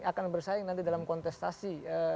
akan bersaing nanti dalam kontestasi